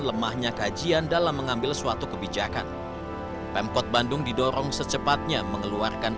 lemahnya kajian dalam mengambil suatu kebijakan pemkot bandung didorong secepatnya mengeluarkan